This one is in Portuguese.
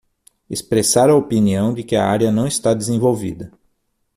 Expressar a opinião de que a área não está desenvolvida